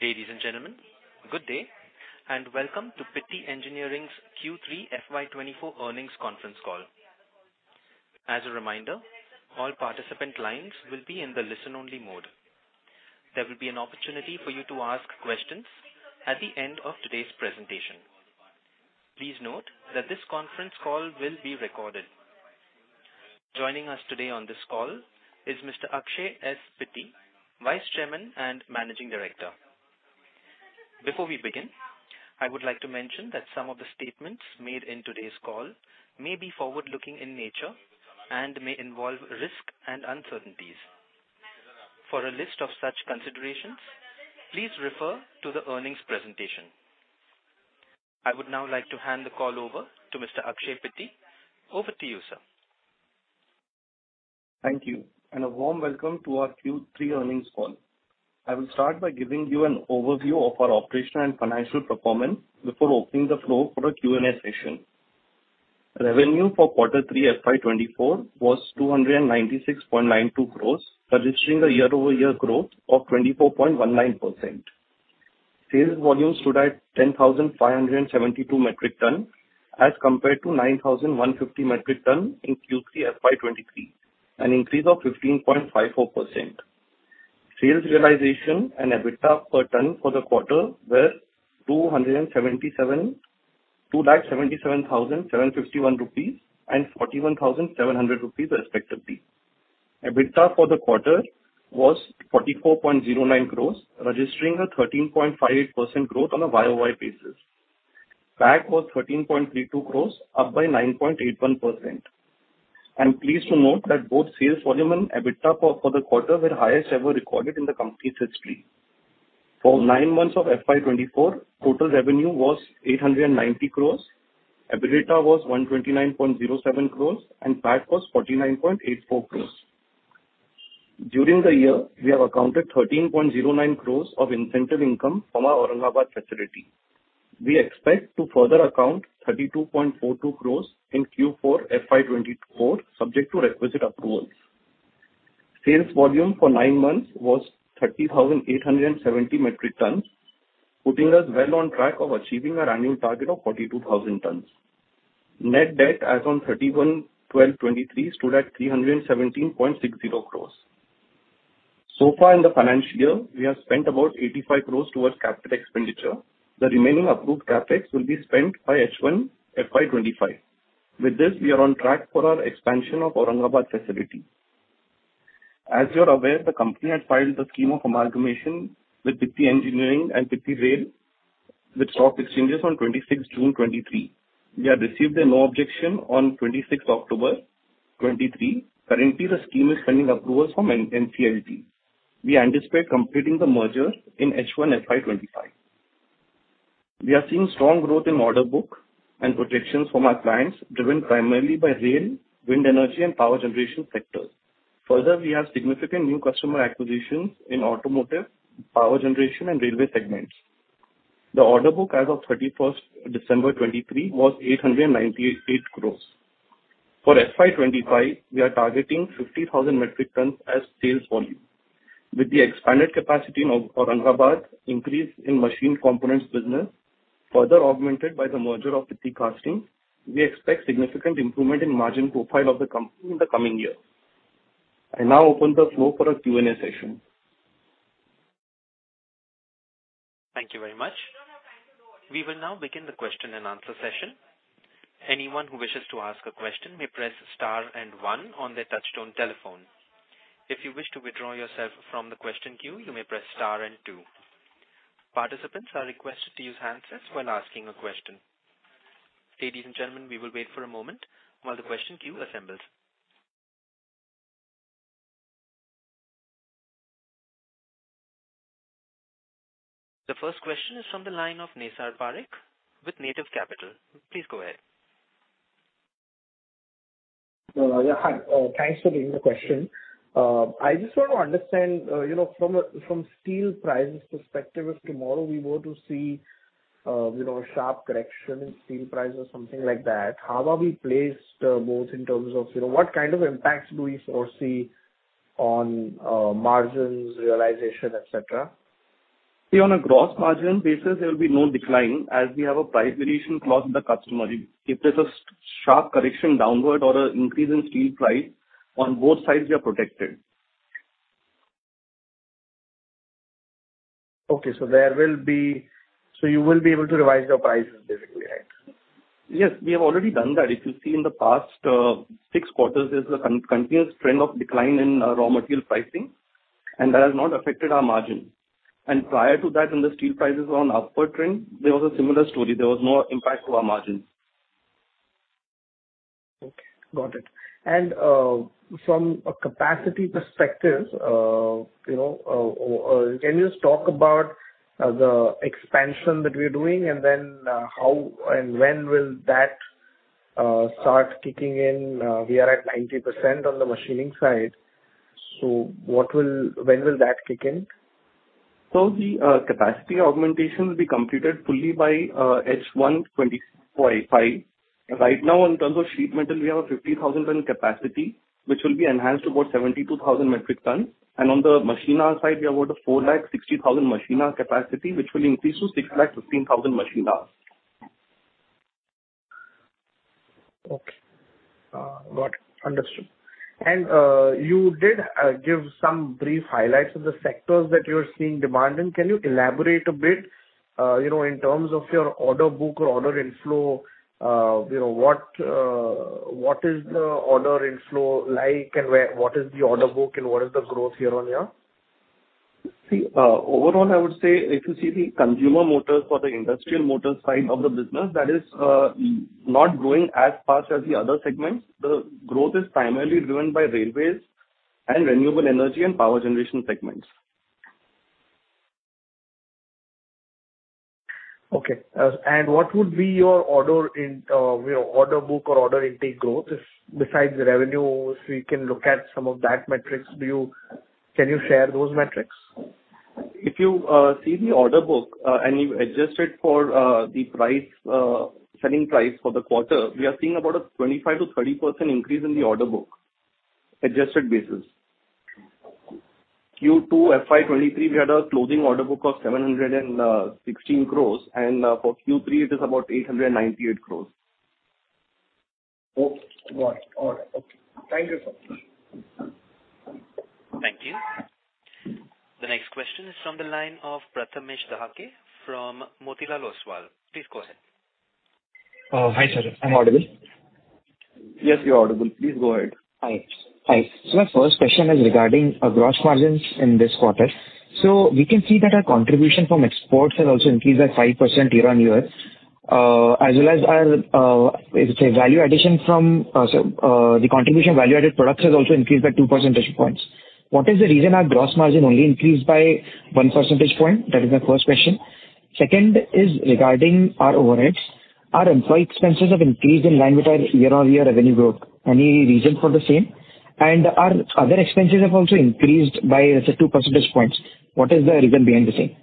Ladies and gentlemen, good day, and welcome to Pitti Engineering's Q3 FY 2024 earnings conference call. As a reminder, all participant lines will be in the listen-only mode. There will be an opportunity for you to ask questions at the end of today's presentation. Please note that this conference call will be recorded. Joining us today on this call is Mr. Akshay S. Pitti, Vice Chairman and Managing Director. Before we begin, I would like to mention that some of the statements made in today's call may be forward-looking in nature and may involve risk and uncertainties. For a list of such considerations, please refer to the earnings presentation. I would now like to hand the call over to Mr. Akshay Pitti. Over to you, sir. Thank you, and a warm welcome to our Q3 earnings call. I will start by giving you an overview of our operational and financial performance before opening the floor for a Q&A session. Revenue for quarter three FY 2024 was 296.92 crore, registering a year-over-year growth of 24.19%. Sales volume stood at 10,572 metric ton, as compared to 9,150 metric ton in Q3 FY 2023, an increase of 15.54%. Sales realization and EBITDA per ton for the quarter were 2,77,751 rupees and 41,700 rupees, respectively. EBITDA for the quarter was 44.09 crore, registering a 13.58% growth on a year-over-year basis. PAT was 13.32 crores, up by 9.81%. I'm pleased to note that both sales volume and EBITDA for the quarter were highest ever recorded in the company's history. For nine months of FY 2024, total revenue was 890 crores, EBITDA was 129.07 crores, and PAT was 49.84 crores. During the year, we have accounted 13.09 crores of incentive income from our Aurangabad facility. We expect to further account 32.42 crores in Q4 FY 2024, subject to requisite approvals. Sales volume for nine months was 30,870 metric tons, putting us well on track of achieving our annual target of 42,000 tons. Net debt as on 31/12/2023 stood at 317.60 crores. So far in the financial year, we have spent about 85 crores towards capital expenditure. The remaining approved CapEx will be spent by H1 FY25. With this, we are on track for our expansion of Aurangabad facility. As you're aware, the company had filed the scheme of amalgamation with Pitti Engineering and Pitti Rail, with stock exchanges on 26th June 2023. We have received a no objection on 26th October 2023. Currently, the scheme is pending approvals from NCLT. We anticipate completing the merger in H1 FY25. We are seeing strong growth in order book and projections from our clients, driven primarily by rail, wind energy and power generation sectors. Further, we have significant new customer acquisitions in automotive, power generation and railway segments. The order book as of 31st December 2023, was 898 crore. For FY 2025, we are targeting 50,000 metric tons as sales volume. With the expanded capacity in Aurangabad, increase in machined components business, further augmented by the merger of Pitti Castings, we expect significant improvement in margin profile of the company in the coming year. I now open the floor for a Q&A session. Thank you very much. We will now begin the question-and-answer session. Anyone who wishes to ask a question may press star and one on their touchtone telephone. If you wish to withdraw yourself from the question queue, you may press star and two. Participants are requested to use handsets while asking a question. Ladies and gentlemen, we will wait for a moment while the question queue assembles. The first question is from the line of Naysar Parikh with Native Capital. Please go ahead. Yeah, hi. Thanks for taking the question. I just want to understand, you know, from steel prices perspective, if tomorrow we were to see, you know, a sharp correction in steel prices, something like that, how are we placed, both in terms of, you know, what kind of impacts do we foresee on, margins, realization, et cetera? See, on a gross margin basis, there will be no decline as we have a price variation clause with the customer. If there's a sharp correction downward or an increase in steel price, on both sides, we are protected. So you will be able to revise your prices basically, right? Yes, we have already done that. If you see in the past six quarters, there's a continuous trend of decline in raw material pricing, and that has not affected our margin. And prior to that, when the steel prices were on upward trend, there was a similar story. There was no impact to our margin. Okay, got it. And, from a capacity perspective, you know, can you just talk about the expansion that we're doing, and then, how and when will that start kicking in? We are at 90% on the machining side, so what will when will that kick in? So the capacity augmentation will be completed fully by H1 2025. Right now, in terms of sheet metal, we have a 50,000 ton capacity, which will be enhanced to about 72,000 metric tons. And on the machining side, we have about 460,000 machining capacity, which will increase to 615,000 machining. Okay. Got it. Understood. And, you did give some brief highlights of the sectors that you're seeing demand in. Can you elaborate a bit, you know, in terms of your order book or order inflow, you know, what, what is the order inflow like, and where, what is the order book, and what is the growth year-on-year? See, overall, I would say if you see the consumer motors or the industrial motor side of the business, that is, not growing as fast as the other segments. The growth is primarily driven by railways and renewable energy and power generation segments. Okay. And what would be your order in, you know, order book or order intake growth, if besides the revenues, we can look at some of that metrics? Do you? Can you share those metrics? If you see the order book and you adjust it for the price, selling price for the quarter, we are seeing about a 25%-30% increase in the order book, adjusted basis. Q2 FY 2023, we had a closing order book of 716 crores, and for Q3, it is about 898 crores. Okay. Got it. All right. Okay. Thank you, sir. Thank you. The next question is from the line of Prathamesh Dahake from Motilal Oswal. Please go ahead. Hi, sir. Am I audible? Yes, you're audible. Please go ahead. Hi, hi. So my first question is regarding our gross margins in this quarter. So we can see that our contribution from exports has also increased by 5% year-over-year, as well as our, it's a value addition from, so, the contribution value-added products has also increased by two percentage points. What is the reason our gross margin only increased by one percentage point? That is my first question. Second is regarding our overheads. Our employee expenses have increased in line with our year-over-year revenue growth. Any reason for the same? And our other expenses have also increased by, let's say, two percentage points. What is the reason behind the same?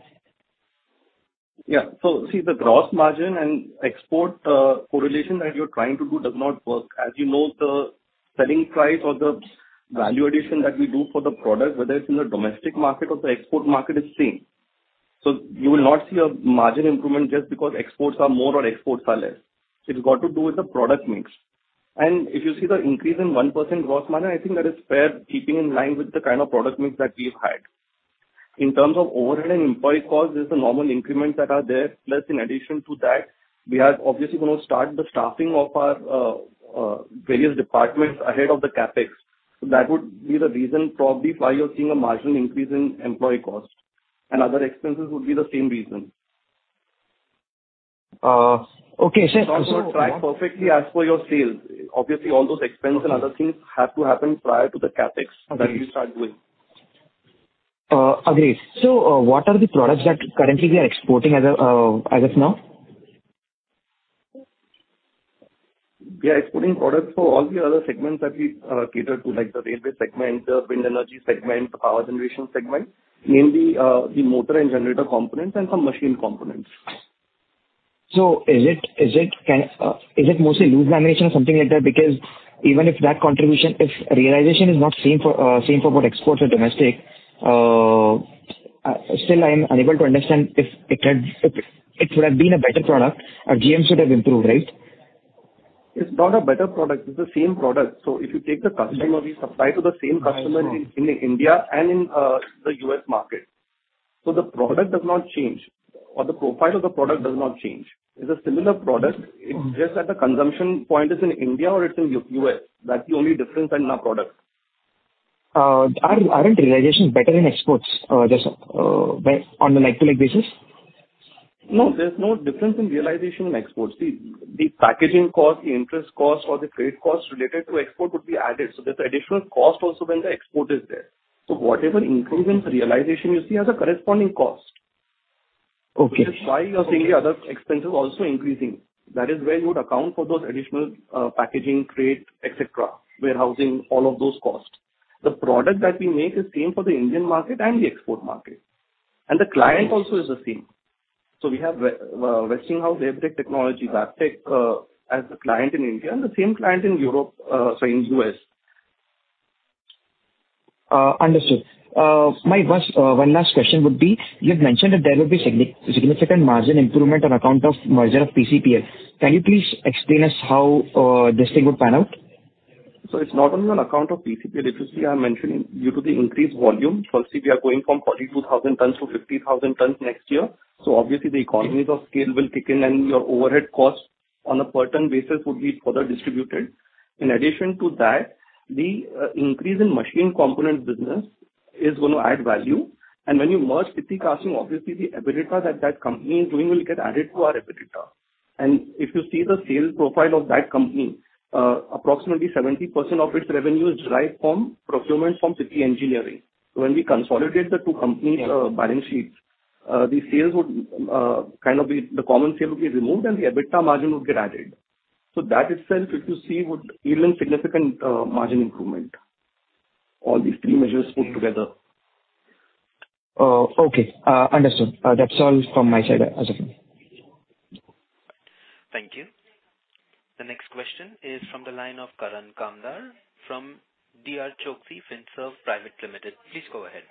Yeah. So see, the gross margin and export correlation that you're trying to do does not work. As you know, the selling price or the value addition that we do for the product, whether it's in the domestic market or the export market, is same. So you will not see a margin improvement just because exports are more or exports are less. It's got to do with the product mix. And if you see the increase in 1% gross margin, I think that is fair, keeping in line with the kind of product mix that we've had. In terms of overhead and employee costs, there's the normal increments that are there. Plus, in addition to that, we are obviously going to start the staffing of our various departments ahead of the CapEx. That would be the reason probably why you're seeing a marginal increase in employee cost, and other expenses would be the same reason. Okay, so It does not track perfectly as per your sales. Obviously, all those expenses and other things have to happen prior to the CapEx Okay. That we start doing. Agreed. So, what are the products that currently we are exporting as of, as of now? We are exporting products for all the other segments that we, cater to, like the railway segment, the wind energy segment, the power generation segment, mainly, the motor and generator components and some machine components. So is it kind of mostly loose lamination or something like that? Because even if that contribution, if realization is not same for both exports and domestic, still I am unable to understand if it would have been a better product, our GM should have improved, right? It's not a better product, it's the same product. So if you take the customer, we supply to the same customer I know. in, in India and in, the U.S. market. So the product does not change, or the profile of the product does not change. It's a similar product. Mm-hmm. It's just that the consumption point is in India or it's in U.S. That's the only difference in our product. Aren't realizations better in exports, just on a like-to-like basis? No, there's no difference in realization in exports. The packaging cost, the interest cost, or the trade cost related to export would be added. So there's additional cost also when the export is there. So whatever increase in realization you see has a corresponding cost. Okay. Which is why you're seeing the other expenses also increasing. That is where you would account for those additional, packaging, crate, et cetera, warehousing, all of those costs. The product that we make is same for the Indian market and the export market, and the client also is the same. So we have Westinghouse Electric Technologies, Wabtec, as a client in India, and the same client in Europe, sorry, in U.S. Understood. My last, one last question would be, you had mentioned that there will be significant margin improvement on account of merger of PCPL. Can you please explain us how this thing would pan out? So it's not only on account of PCPL, obviously. I'm mentioning due to the increased volume. So obviously, we are going from 42,000 tons to 50,000 tons next year. So obviously the economies of scale will kick in, and your overhead costs on a per ton basis would be further distributed. In addition to that, the increase in machined components business is going to add value. And when you merge Pitti Castings, obviously the EBITDA that that company is doing will get added to our EBITDA. And if you see the sales profile of that company, approximately 70% of its revenue is derived from procurements from Pitti Engineering. So when we consolidate the two companies' balance sheets, the sales would kind of be. The common sale will be removed, and the EBITDA margin would get added. So that itself, if you see, would yield in significant margin improvement. All these three measures put together. Oh, okay. Understood. That's all from my side as of now. Thank you. The next question is from the line of Karan Kamdar from D.R. Choksey Finserv Pvt. Ltd. Please go ahead.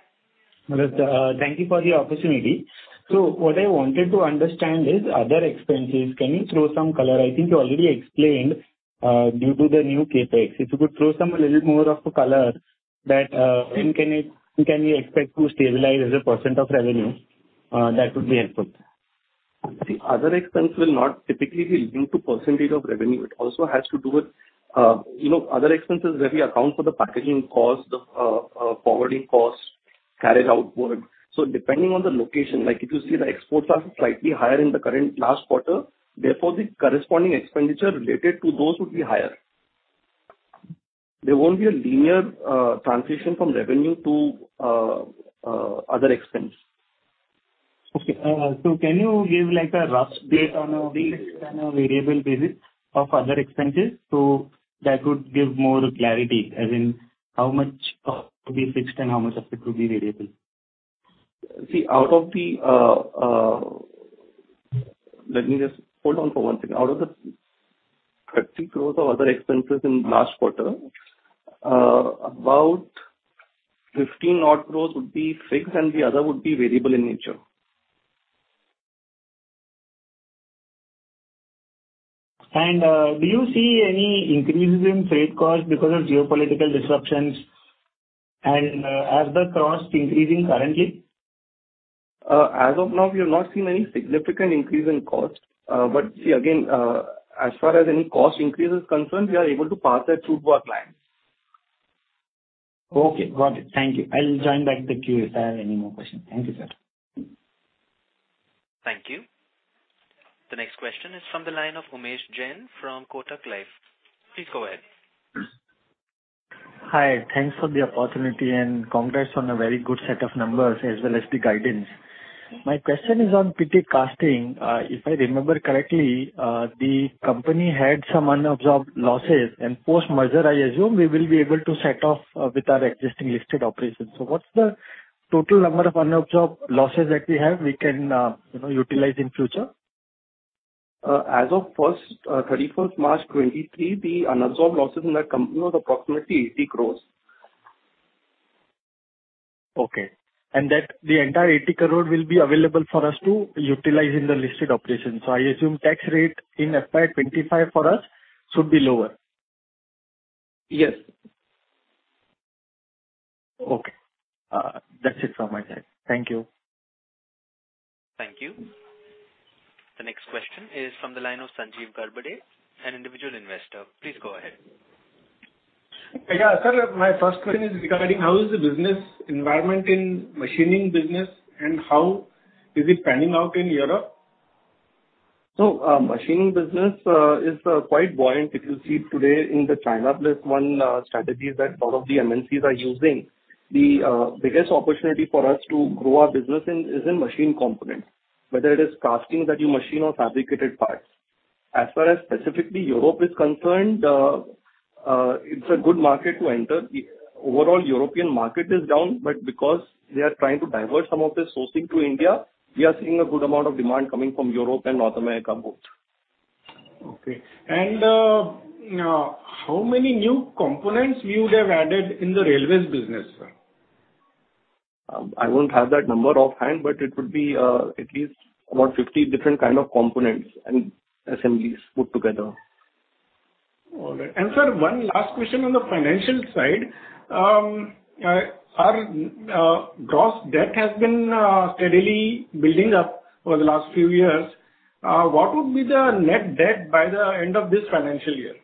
Hello, sir. Thank you for the opportunity. So what I wanted to understand is other expenses. Can you throw some color? I think you already explained, due to the new CapEx. If you could throw some a little more of the color that, when can it, can we expect to stabilize as a % of revenue, that would be helpful. The other expense will not typically be due to percentage of revenue. It also has to do with, you know, other expenses where we account for the packaging cost, the forwarding cost, carriage outward. So depending on the location, like if you see the exports are slightly higher in the current last quarter, therefore, the corresponding expenditure related to those would be higher. There won't be a linear transition from revenue to other expense. Okay. So can you give, like, a rough date on a fixed and a variable basis of other expenses so that would give more clarity, as in how much of it would be fixed and how much of it would be variable? See, out of the 30 crore of other expenses in last quarter, about 15 odd crore would be fixed and the other would be variable in nature. Do you see any increases in freight costs because of geopolitical disruptions? Are the costs increasing currently? As of now, we have not seen any significant increase in cost. But see again, as far as any cost increase is concerned, we are able to pass that through to our clients. Okay, got it. Thank you. I'll join back the queue if I have any more questions. Thank you, sir. Thank you. The next question is from the line of Umesh Jain from Kotak Life. Please go ahead. Hi, thanks for the opportunity, and congrats on a very good set of numbers as well as the guidance. My question is on Pitti Castings. If I remember correctly, the company had some unabsorbed losses and post-merger, I assume we will be able to set off with our existing listed operations. So what's the total number of unabsorbed losses that we have, we can, you know, utilize in future? As of 31st March 2023, the unabsorbed losses in that company was approximately 80 crores. Okay. That the entire 80 crore will be available for us to utilize in the listed operations. So I assume tax rate in FY 2025 for us should be lower. Yes. Okay. That's it from my side. Thank you. Thank you. The next question is from the line of Sanjeev Zarbade, an individual investor. Please go ahead. Yeah, sir, my first question is regarding how is the business environment in machining business and how is it panning out in Europe? So, machining business is quite buoyant. If you see today in the China Plus One strategies that lot of the MNCs are using, the biggest opportunity for us to grow our business in is in machine component. Whether it is casting that you machine or fabricated parts. As far as specifically Europe is concerned, it's a good market to enter. The overall European market is down, but because they are trying to divert some of their sourcing to India, we are seeing a good amount of demand coming from Europe and North America both. Okay. And how many new components you would have added in the railways business, sir? I won't have that number offhand, but it would be, at least about 50 different kind of components and assemblies put together. All right. Sir, one last question on the financial side. Our gross debt has been steadily building up over the last few years. What would be the net debt by the end of this financial year?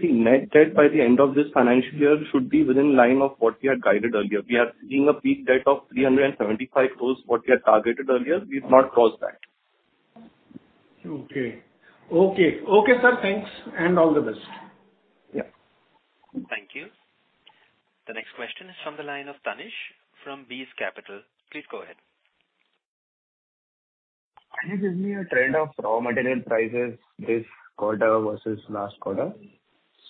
The net debt by the end of this financial year should be within line of what we had guided earlier. We are seeing a peak debt of 375 crore, what we had targeted earlier. We've not crossed that. Okay. Okay. Okay, sir, thanks, and all the best. Yeah. Thank you. The next question is from the line of Tanish from Bees Capital. Please go ahead. Can you give me a trend of raw material prices this quarter versus last quarter?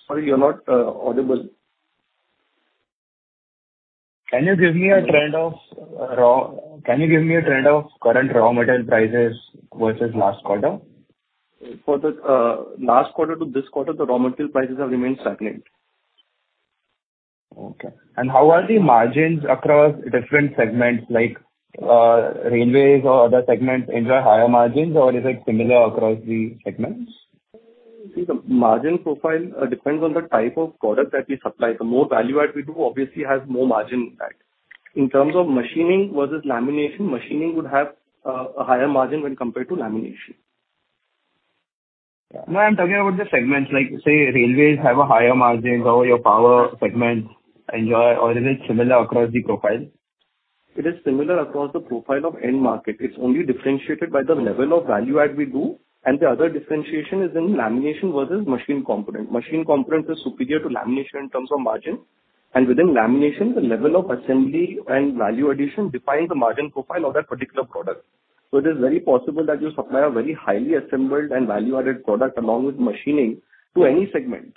Sorry, you're not audible. Can you give me a trend of current raw material prices versus last quarter? For the last quarter to this quarter, the raw material prices have remained stagnant. Okay. How are the margins across different segments, like, railways or other segments enjoy higher margins, or is it similar across the segments? See, the margin profile depends on the type of product that we supply. The more value add we do, obviously has more margin impact. In terms of machining versus lamination, machining would have a higher margin when compared to lamination. No, I'm talking about the segments, like, say, railways have a higher margins or your power segments enjoy, or is it similar across the profile? It is similar across the profile of end market. It's only differentiated by the level of value add we do, and the other differentiation is in lamination versus machine component. Machine component is superior to lamination in terms of margin, and within lamination, the level of assembly and value addition define the margin profile of that particular product. So it is very possible that you supply a very highly assembled and value-added product along with machining to any segment.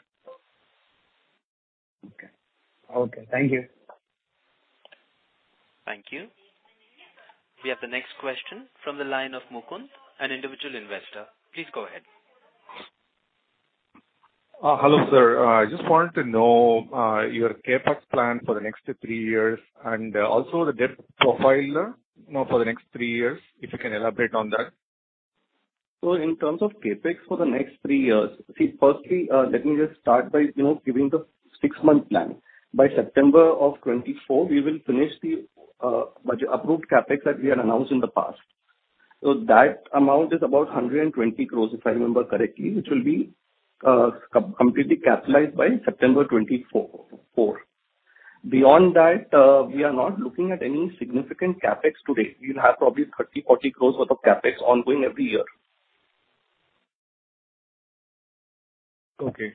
Okay. Okay, thank you. Thank you. We have the next question from the line of Mukund, an individual investor. Please go ahead. Hello, sir. I just wanted to know your CapEx plan for the next three years and also the debt profile, you know, for the next three years, if you can elaborate on that? So in terms of CapEx for the next three years, see, firstly, let me just start by, you know, giving the six-month plan. By September 2024, we will finish the budget-approved CapEx that we had announced in the past. So that amount is about 120 crore, if I remember correctly, which will be completely capitalized by September 2024. Beyond that, we are not looking at any significant CapEx today. We'll have probably 30-40 crores worth of CapEx ongoing every year. Okay.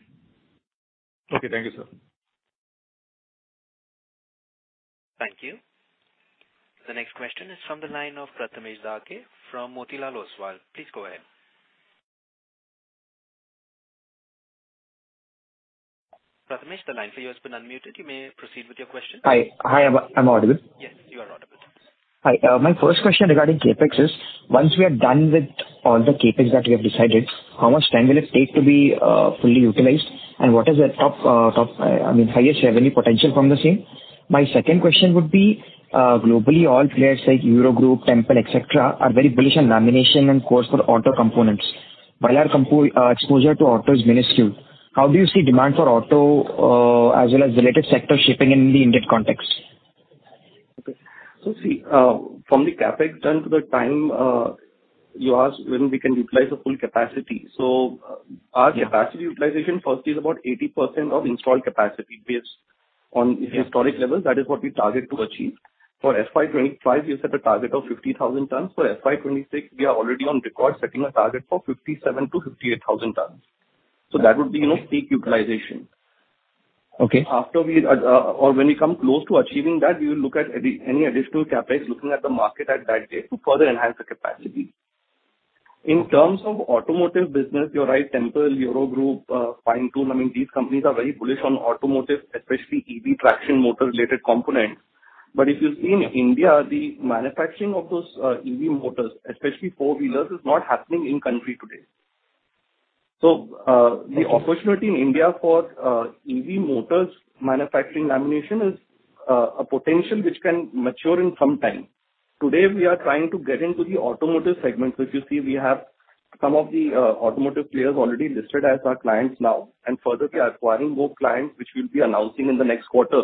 Okay, thank you, sir. Thank you. The next question is from the line of Prathamesh Dahake from Motilal Oswal. Please go ahead. Prathamesh, the line for you has been unmuted. You may proceed with your question. Hi. Hi, am I audible? Yes, you are audible. Hi, my first question regarding CapEx is, once we are done with all the CapEx that we have decided, how much time will it take to be fully utilized? And what is the top, top, I mean, highest revenue potential from the same? My second question would be, globally, all players like EuroGroup, Tempel, et cetera, are very bullish on lamination and cores for auto components, while our company's exposure to auto is minuscule. How do you see demand for auto, as well as related sectors shaping in the Indian context? Okay. So see, from the CapEx turn to the time, you asked when we can utilize the full capacity. So, our capacity utilization first is about 80% of installed capacity based on historic levels. That is what we target to achieve. For FY 2025, we set a target of 50,000 tons. For FY 2026, we are already on record setting a target for 57,000-58,000 tons. So that would be, you know, peak utilization. Okay. After we, or when we come close to achieving that, we will look at any, any additional CapEx, looking at the market at that day to further enhance the capacity. In terms of automotive business, you're right, Tempel, EuroGroup, Feintool, I mean, these companies are very bullish on automotive, especially EV traction motor-related components. But if you see in India, the manufacturing of those, EV motors, especially four-wheelers, is not happening in country today. So, Okay. The opportunity in India for EV motors manufacturing lamination is a potential which can mature in some time. Today, we are trying to get into the automotive segment, which you see we have some of the automotive players already listed as our clients now. Further, we are acquiring more clients, which we'll be announcing in the next quarter.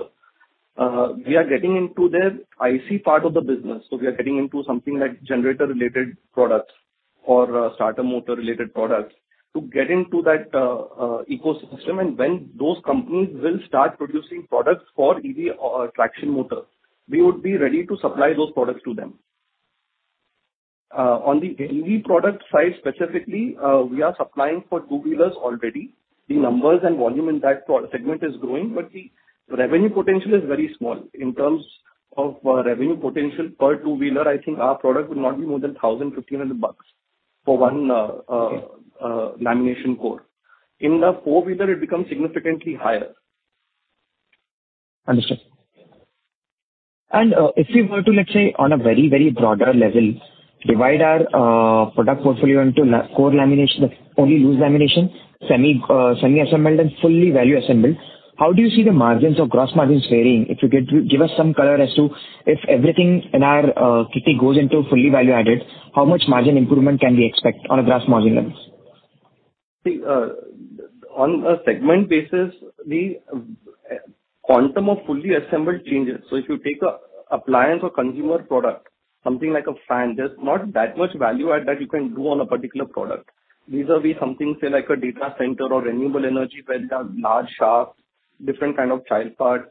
We are getting into their IC part of the business, so we are getting into something like generator-related products or starter motor-related products to get into that ecosystem. And when those companies will start producing products for EV or traction motor, we would be ready to supply those products to them. On the EV product side, specifically, we are supplying for two-wheelers already. The numbers and volume in that product segment is growing, but the revenue potential is very small. In terms of revenue potential per two-wheeler, I think our product would not be more than $1,000-$1,500 for one. Okay. Lamination core. In the four-wheeler, it becomes significantly higher. Understood. And, if we were to, let's say, on a very, very broader level, divide our product portfolio into core lamination, only loose lamination, semi, semi-assembled, and fully value assembled, how do you see the margins or gross margins varying? If you could give us some color as to if everything in our kitty goes into fully value-added, how much margin improvement can we expect on a gross margin levels? See, on a segment basis, the quantum of fully assembled changes. So if you take an appliance or consumer product, something like a fan, there's not that much value add that you can do on a particular product. Vis-a-vis something, say, like a data center or renewable energy, where you have large shaft, different kind of child parts,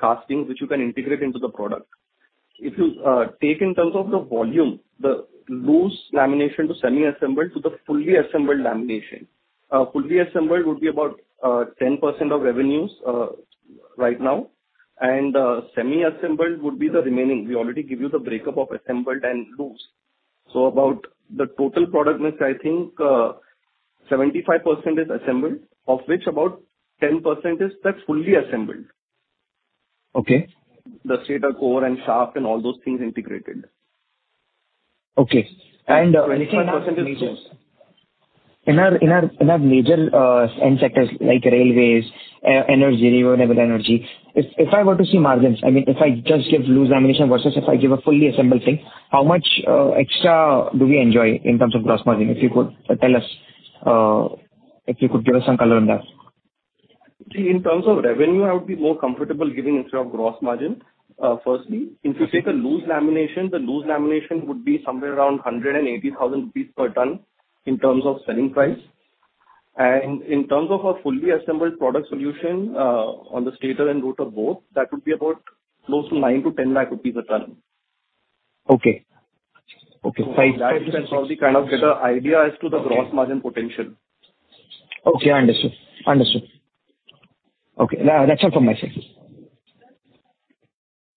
castings, which you can integrate into the product. If you take in terms of the volume, the loose lamination to semi-assembled to the fully assembled lamination, fully assembled would be about 10% of revenues right now, and semi-assembled would be the remaining. We already give you the breakup of assembled and loose. So about the total product mix, I think, 75% is assembled, of which about 10% is fully assembled. Okay. The stator, core, and shaft, and all those things integrated. Okay, and- 25% is loose. In our major end sectors, like railways, energy, renewable energy, if I were to see margins, I mean, if I just give loose lamination versus if I give a fully assembled thing, how much extra do we enjoy in terms of gross margin? If you could tell us, if you could give us some color on that. See, in terms of revenue, I would be more comfortable giving in terms of gross margin, firstly. Okay. If you take a loose lamination, the loose lamination would be somewhere around 180,000 rupees per ton in terms of selling price. In terms of a fully assembled product solution, on the stator and rotor both, that would be about close to 9-10 lakh rupees a ton. Okay. Okay, so I That you can probably kind of get an idea as to the gross margin potential. Okay, I understand. Understood. Okay, that's all from my side.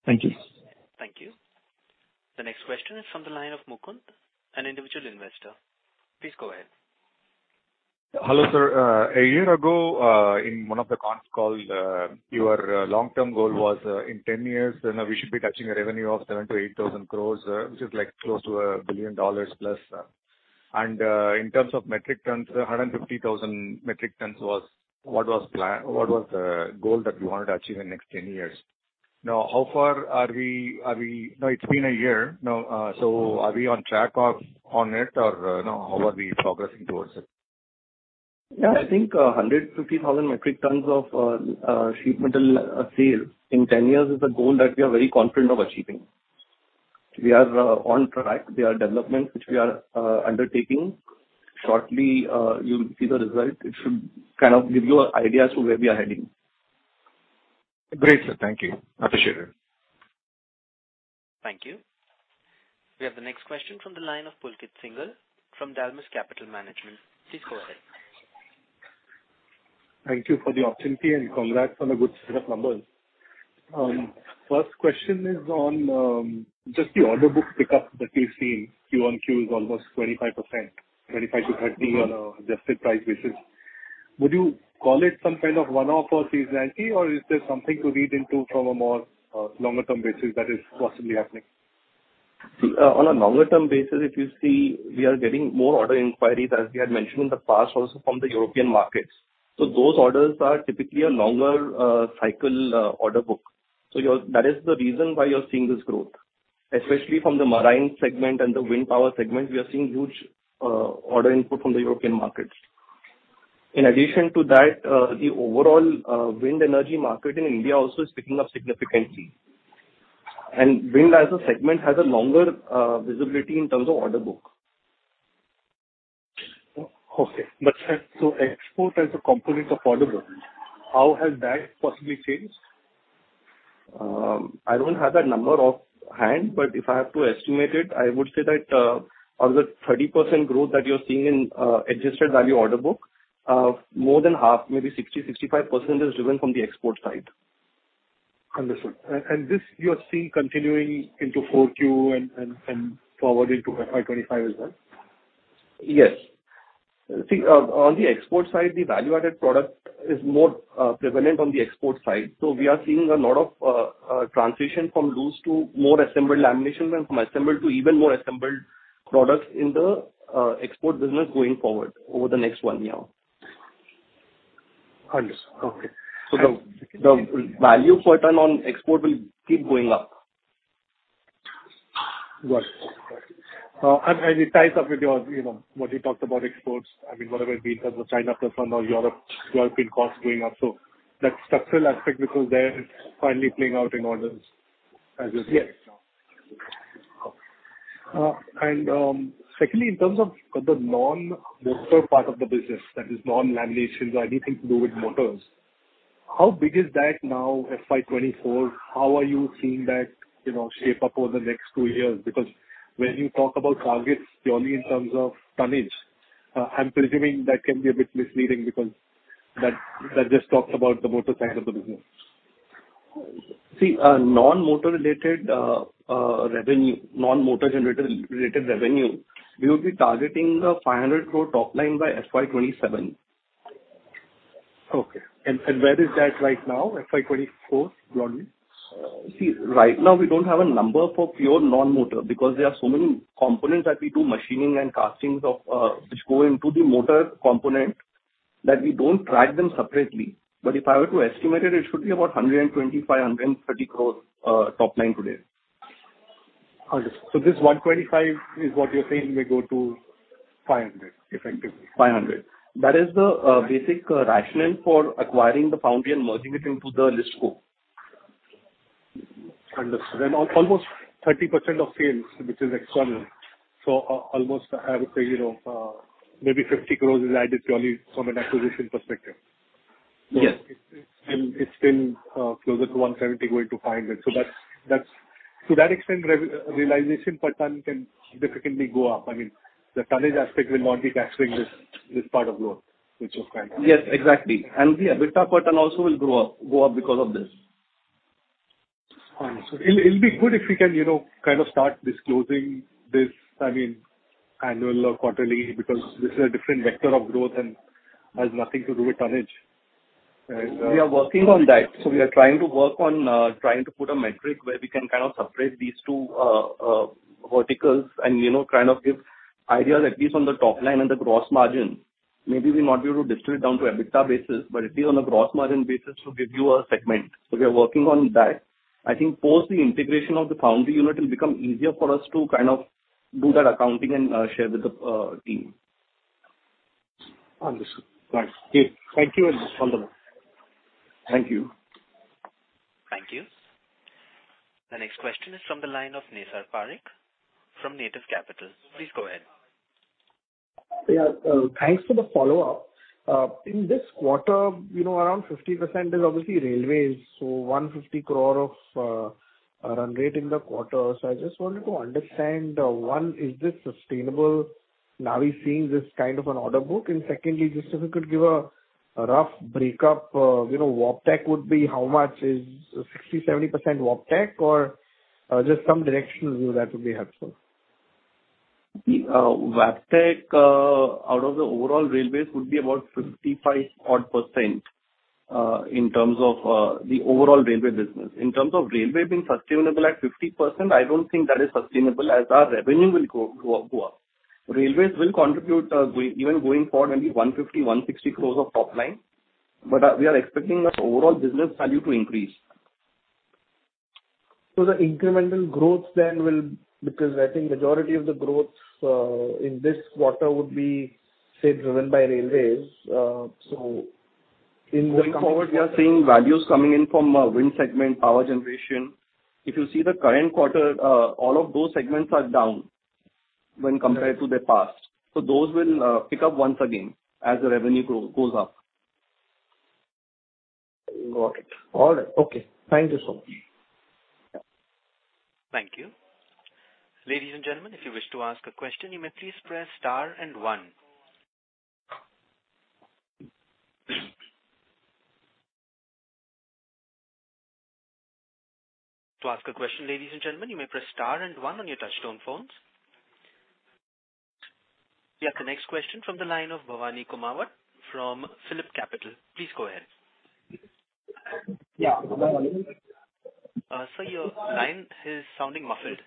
Thank you. Thank you. The next question is from the line of Mukund, an individual investor. Please go ahead. Hello, sir. A year ago, in one of the con calls, your long-term goal was, in 10 years, you know, we should be touching a revenue of 7,000-8,000 crores, which is like close to $1 billion plus. And, in terms of metric tons, 150,000 metric tons was what was the goal that we wanted to achieve in the next 10 years. Now, how far are we, are we? Now, it's been a year, now, so are we on track or on it or, you know, how are we progressing towards it? Yeah, I think, 150,000 metric tons of sheet metal sales in 10 years is a goal that we are very confident of achieving. We are on track. There are developments which we are undertaking. Shortly, you'll see the result. It should kind of give you an idea as to where we are heading. Great, sir. Thank you. Appreciate it. Thank you. We have the next question from the line of Pulkit Singhal from Dalmus Capital Management. Please go ahead. Thank you for the opportunity, and congrats on a good set of numbers. First question is on just the order book pick up that you've seen. Q on Q is almost 25%, 25-30 on an adjusted price basis. Would you call it some kind of one-off or seasonality, or is there something to read into from a more longer term basis that is possibly happening? On a longer term basis, if you see, we are getting more order inquiries, as we had mentioned in the past, also from the European markets. So those orders are typically a longer cycle order book. So you're. That is the reason why you're seeing this growth, especially from the marine segment and the wind power segment, we are seeing huge order input from the European markets. In addition to that, the overall wind energy market in India also is picking up significantly. Wind as a segment has a longer visibility in terms of order book. Okay, but so export as a component of order book, how has that possibly changed? I don't have that number offhand, but if I have to estimate it, I would say that of the 30% growth that you're seeing in adjusted value order book, more than half, maybe 60%-65%, is driven from the export side. Understood. And this you are seeing continuing into Q4 and forward into FY 2025 as well? Yes. See, on the export side, the value-added product is more prevalent on the export side. So we are seeing a lot of transition from loose to more assembled laminations and from assembled to even more assembled products in the export business going forward over the next one year. Understood. Okay. So the value per ton on export will keep going up. Got it. And it ties up with your, you know, what you talked about exports, I mean, whatever it be, in terms of China plus or Europe, European costs going up. So that structural aspect, which was there, is finally playing out in orders as is. Yes. And, secondly, in terms of the non-motor part of the business, that is, non-laminations or anything to do with motors, how big is that now, FY 2024? How are you seeing that, you know, shape up over the next two years? Because when you talk about targets purely in terms of tonnage, I'm presuming that can be a bit misleading because that, that just talks about the motor side of the business. See, non-motor related revenue, non-motor generator related revenue, we would be targeting 500 crore top line by FY 2027. Okay. And where is that right now, FY 2024, broadly? See, right now we don't have a number for pure non-motor because there are so many components that we do machining and castings of, which go into the motor component, that we don't track them separately. But if I were to estimate it, it should be about 125 crore-130 crore top line today. Understood. So this 125 is what you're saying may go to 500, effectively. 500. That is the basic rationale for acquiring the foundry and merging it into the listed scope. Understood. And almost 30% of sales, which is external, so almost, I would say, you know, maybe 50 crore is added purely from an acquisition perspective? Yes. It's been closer to 170, going to 500. So that's to that extent, realization per ton can significantly go up. I mean, the tonnage aspect will not be capturing this part of growth, which is fine. Yes, exactly. And the EBITDA per ton also will grow up, go up because of this. So it'll be good if we can, you know, kind of start disclosing this, I mean, annual or quarterly, because this is a different vector of growth and has nothing to do with tonnage, and We are working on that. So we are trying to work on, trying to put a metric where we can kind of separate these two verticals and, you know, kind of give ideas, at least on the top line and the gross margin. Maybe we'll not be able to distribute down to EBITDA basis, but at least on a gross margin basis, to give you a segment. So we are working on that. I think post the integration of the foundry unit, it'll become easier for us to kind of do that accounting and share with the team. Understood. Right. Okay. Thank you and all the best. Thank you. Thank you. The next question is from the line of Nisar Parekh, from Native Capital. Please go ahead. Yeah, thanks for the follow-up. In this quarter, you know, around 50% is obviously railways, so 150 crore of run rate in the quarter. So I just wanted to understand, one, is this sustainable, now we're seeing this kind of an order book? And secondly, just if you could give a a rough breakup, you know, Wabtec would be how much? Is 60%-70% Wabtec, or just some directional view, that would be helpful. The Wabtec out of the overall railways would be about 55% odd, in terms of the overall railway business. In terms of railway being sustainable at 50%, I don't think that is sustainable, as our revenue will go, go up, go up. Railways will contribute, going, even going forward, maybe 150 crore-160 crore of top line, but we are expecting the overall business value to increase. So the incremental growth then will. Because I think majority of the growth, in this quarter would be, say, driven by railways. So in the Going forward, we are seeing values coming in from wind segment, power generation. If you see the current quarter, all of those segments are down when compared to the past. So those will pick up once again as the revenue grow, goes up. Got it. All right. Okay. Thank you so much. Thank you. Ladies and gentlemen, if you wish to ask a question, you may please press star and one. To ask a question, ladies and gentlemen, you may press star and one on your touchtone phones. We have the next question from the line of Bhavani Kumar from PhillipCapital. Please go ahead. Yeah, good morning. Sir, your line is sounding muffled.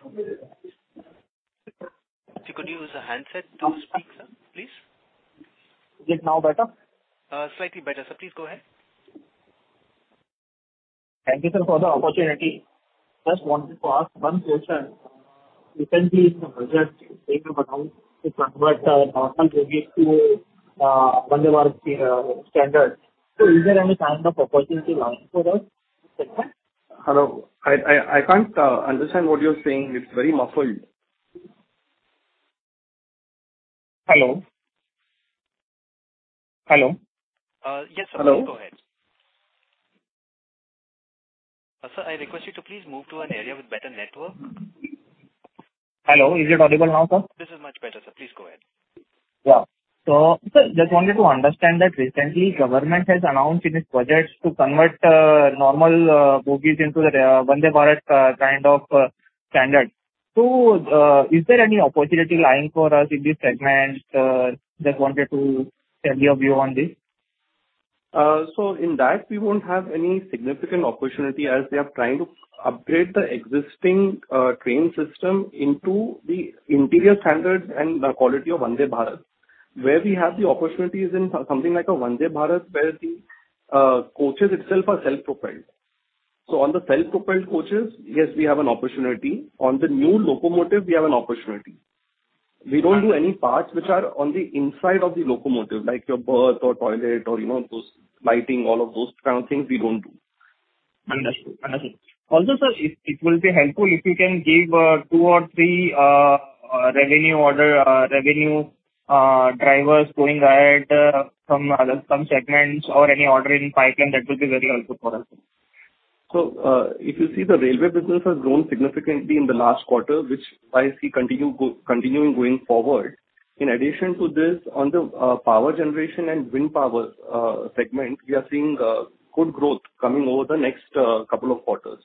If you could use a handset to speak, sir, please. Is it now better? Slightly better, sir. Please go ahead. Thank you, sir, for the opportunity. Just wanted to ask one question. Recently, in the budget, they have announced to convert normal bogies to Vande Bharat standard. So is there any kind of opportunity lying for us in this segment? Hello, I can't understand what you're saying. It's very muffled. Hello? Hello. Yes, sir. Hello. Go ahead. Sir, I request you to please move to an area with better network. Hello, is it audible now, sir? This is much better, sir. Please go ahead. Yeah. So, sir, just wanted to understand that recently government has announced in its budgets to convert normal bogies into the Vande Bharat kind of standard. So, is there any opportunity lying for us in this segment? Just wanted to hear your view on this. So in that, we won't have any significant opportunity, as they are trying to upgrade the existing train system into the interior standards and the quality of Vande Bharat. Where we have the opportunity is in something like a Vande Bharat, where the coaches itself are self-propelled. So on the self-propelled coaches, yes, we have an opportunity. On the new locomotive, we have an opportunity. We don't do any parts which are on the inside of the locomotive, like your berth or toilet or, you know, those lighting, all of those kind of things we don't do. Understood. Understood. Also, sir, it, it will be helpful if you can give two or three revenue order, revenue drivers going ahead, some, some segments or any order in pipeline, that would be very helpful for us. So, if you see, the railway business has grown significantly in the last quarter, which I see continuing going forward. In addition to this, on the power generation and wind power segment, we are seeing good growth coming over the next couple of quarters.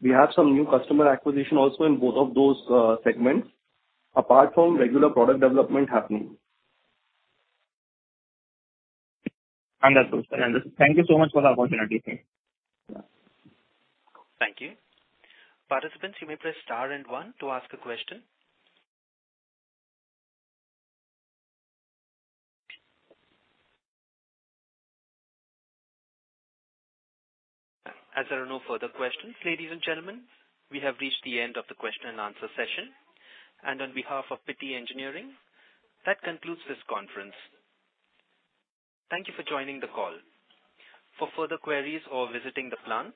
We have some new customer acquisition also in both of those segments, apart from regular product development happening. Understood, sir. Understood. Thank you so much for the opportunity. Thank you. Participants, you may press star and one to ask a question. As there are no further questions, ladies and gentlemen, we have reached the end of the question and answer session. On behalf of Pitti Engineering, that concludes this conference. Thank you for joining the call. For further queries or visiting the plant,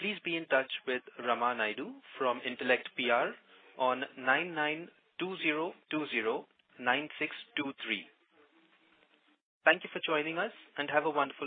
please be in touch with Rama Naidu from Intellect PR on 992-020-9623. Thank you for joining us, and have a wonderful day.